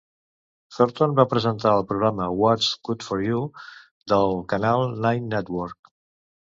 Thornton va presentar el programa "Whats' Good For You" del canal Nine Network.